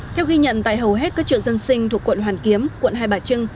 theo ghi nhận tại hầu hết các chợ dân sinh thuộc quận hoàn kiếm quận hai bà trưng